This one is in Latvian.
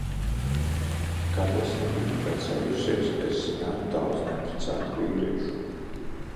Kad es nebiju precējusies, es zināju daudz neprecētu vīriešu.